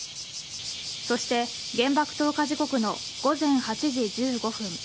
そして原爆投下時刻の午前８時１５分。